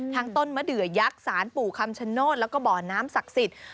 ทั้งต้นมะเดือยักษ์สรรปุคำชโนธแล้วก็บ่อน้ำศักดิ์ศิษฐ์